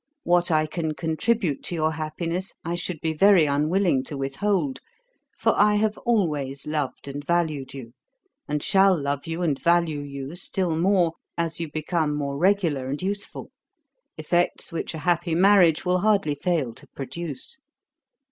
What I can contribute to your happiness, I should be very unwilling to with hold; for I have always loved and valued you, and shall love you and value you still more, as you become more regular and useful: effects which a happy marriage will hardly fail to produce.